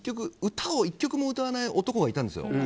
その時１曲も歌わない男がいたんですよ。